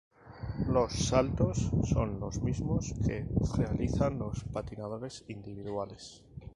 Los saltos son los mismos que realizan los patinadores individuales.